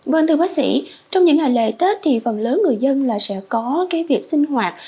vâng thưa bác sĩ trong những ngày lễ tết thì phần lớn người dân là sẽ có việc sinh hoạt